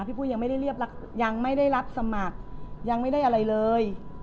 พี่ปุ๊ยยังไม่ได้รับสมัครยังไม่ได้อะไรเลย